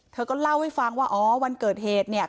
เธอก็เล่าให้ฟังว่าอ๋อวันเกิดเหตุเนี่ย